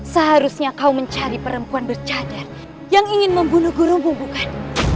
seharusnya kau mencari perempuan bercadar yang ingin membunuh gurumu bukan